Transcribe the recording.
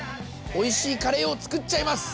おいしいカレーを作っちゃいます。